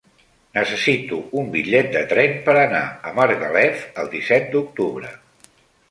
Necessito un bitllet de tren per anar a Margalef el disset d'octubre.